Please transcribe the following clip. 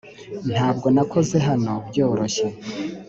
ntabwo nakoze hano byoroshye.